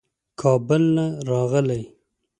کابل نه راغلی.